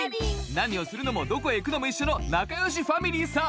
何をするのもどこへ行くのも一緒の仲よしファミリーさ！